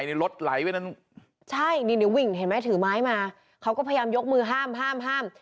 เนี้ยรถไหลไว้ใช่นี่เนี้ยวิ่งเห็นไหมถือไม้มาเขาก็พยายามยกมือห้ามห้ามห้าม